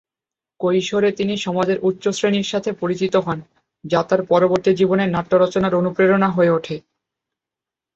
কৈশোরে তিনি সমাজের উচ্চ শ্রেণির সাথে পরিচিত হন, যা তার পরবর্তী জীবনে নাট্য রচনার অনুপ্রেরণা হয়ে ওঠে।